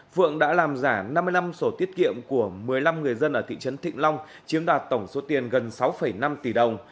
phượng đã làm giả năm mươi năm sổ tiết kiệm của một mươi năm người dân ở thị trấn thịnh long chiếm đoạt tổng số tiền gần sáu năm tỷ đồng